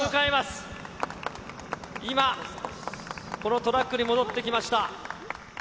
今、このトラックに戻ってきました。